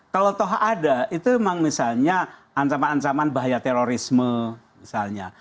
kalau toh ada itu memang misalnya ancaman ancaman bahaya terorisme misalnya